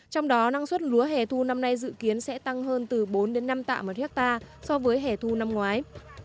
trong đó năng suất lúa hẻ thu năm nay dự kiến sẽ tăng hơn từ bốn năm tạ một hectare so với hẻ thu năm ngoái